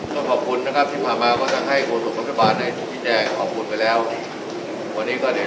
ขออนุญาตไปจนตัวเลขของเราต่ำมาหนึ่งเป็นหลักครัว